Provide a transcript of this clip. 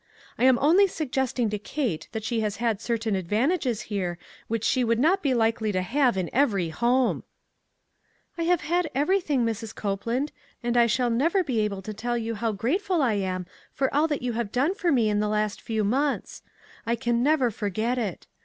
I am only suggesting to Kate that she has had cer tain advantages here which she would not be likely to have in every home/' " I have had everything, Mrs. Copeland, and I shall never be able to tell you how grateful I ain for all that you have done for me in the last few months. I can never forget it.